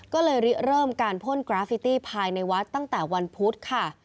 ก็เลยเริ่มการพ่นกราฟิตี้ภายในวัดตั้งแต่วันพุธค่ะ